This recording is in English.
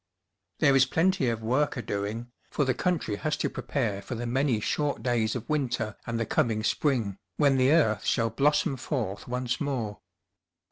There is plenty of work a doing, for the country has to prepare for the many short days of winter and the coming spring, when the earth shall blossom forth once more.